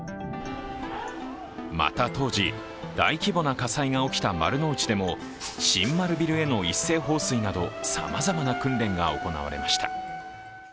また、当時、大規模な火災が起きた丸の内でも新丸ビルへの一斉放水などさまざまな訓練が行われました。